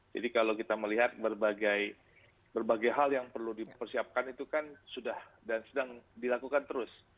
jadi kalau kita melihat berbagai hal yang perlu dipersiapkan itu kan sudah dan sedang dilakukan terus